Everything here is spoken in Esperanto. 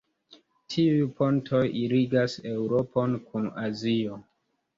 Tiuj pontoj ligas Eŭropon kun Azio.